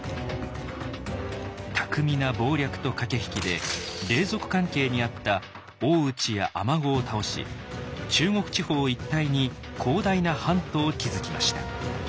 巧みな謀略と駆け引きで隷属関係にあった大内や尼子を倒し中国地方一帯に広大な版図を築きました。